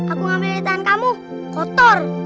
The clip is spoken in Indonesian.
aku ngambil dari tangan kamu kotor